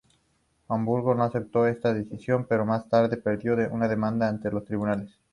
Hamburgo no acepto esta decisión, pero más tarde perdió la demanda ante los tribunales.